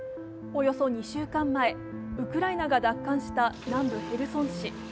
およそ２週間前、ウクライナが奪還した南部ヘルソン市。